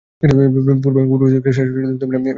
মৃত্যু-পূর্ব সময়কাল পর্যন্ত সদস্যরূপে এ দায়িত্বে ছিলেন।